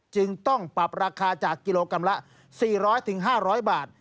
จึงต้องปรับราคาจากกิโลกรัมละสี่ร้อยถึงห้าร้อยบาท